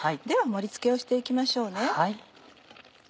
では盛り付けをして行きましょうね。